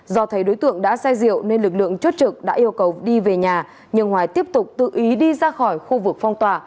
do thấy đối tượng đã say rượu nên lực lượng chốt trực đã yêu cầu đi về nhà nhưng hoài tiếp tục tự ý đi ra khỏi khu vực phong tỏa